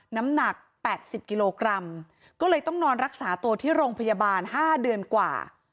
น้ำหนัก๘๐กิโลกรัมก็เลยต้องนอนรักษาตัวที่โรงพยาบาล๕เดือนกว่า